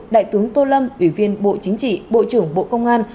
đại tướng tô lâm ủy viên bộ chính trị bộ trưởng bộ công an